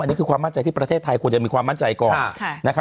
อันนี้คือความมั่นใจที่ประเทศไทยควรจะมีความมั่นใจก่อน